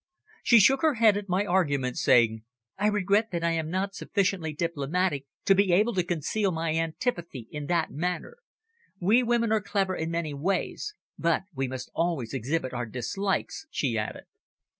She shook her head at my argument, saying "I regret that I am not sufficiently diplomatic to be able to conceal my antipathy in that manner. We women are clever in many ways, but we must always exhibit our dislikes," she added.